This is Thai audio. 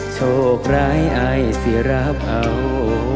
โชคร้ายไอ้สิราบเอา